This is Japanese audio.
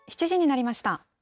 ７時になりました。